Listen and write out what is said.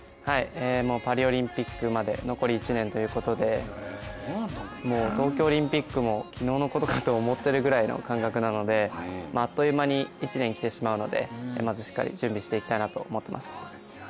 もうパリオリンピックまで残り１年ということでもう東京オリンピックも昨日のことかと思ってるくらいの感覚なのであっという間に１年来てしまうので、まずしっかり準備していきたいなと思っています。